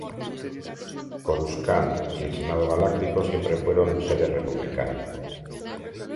Coruscant y el Senado Galáctico siempre fueron sede republicana.